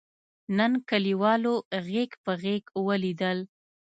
نن کلیوالو غېږ په غېږ ولیدل.